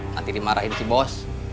nanti dimarahin si bos